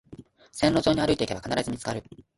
線路沿いに歩いていけば必ず見つかる